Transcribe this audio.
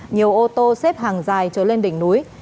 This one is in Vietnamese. nhiều ô tô xếp hàng dài trở lên đỉnh núi